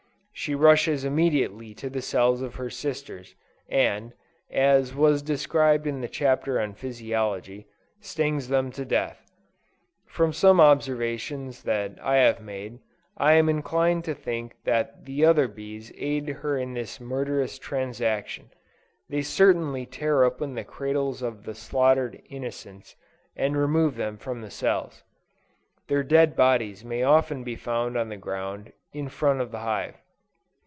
She rushes immediately to the cells of her sisters, and, (as was described in the Chapter on Physiology,) stings them to death. From some observations that I have made, I am inclined to think that the other bees aid her in this murderous transaction: they certainly tear open the cradles of the slaughtered innocents, and remove them from the cells. Their dead bodies may often be found on the ground in front of the hive.